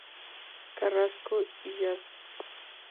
Carrasco y Av.